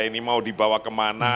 ini mau dibawa kemana